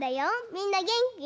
みんなげんき？